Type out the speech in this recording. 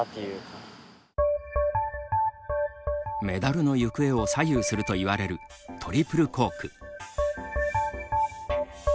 メダルの行方を左右するといわれるトリプルコーク。